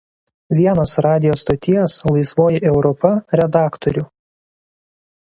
Vienas radijo stoties „Laisvoji Europa“ redaktorių.